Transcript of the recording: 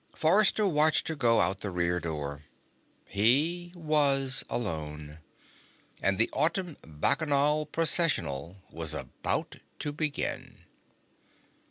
Forrester watched her go out the rear door. He was alone. And the Autumn Bacchanal Processional was about to begin.